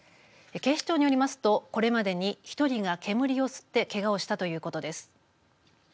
警視庁によりますと、これまでに１人が煙を吸ってけがをしたということです。